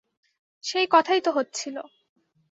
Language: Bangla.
সেই কথাই তো হচ্ছিল।